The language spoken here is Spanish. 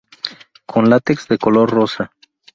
Con látex de color rosa.